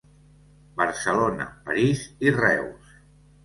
Barcelona, París i Reus.